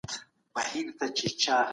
د هیواد بیرغ په هره سیمه کي رپیده.